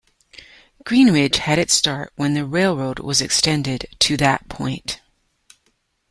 Greenridge had its start when the railroad was extended to that point.